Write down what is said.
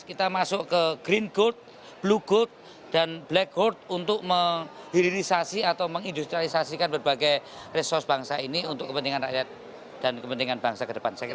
kita masuk ke green gold blue gold dan black gold untuk mengindustrialisasikan berbagai resursi bangsa ini untuk kepentingan rakyat dan kepentingan bangsa ke depan